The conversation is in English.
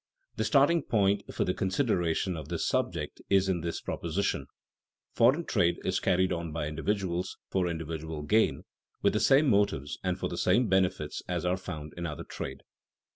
The starting point for the consideration of this subject is in this proposition: Foreign trade is carried on by individuals, for individual gain, with the same motives and for the same benefits as are found in other trade.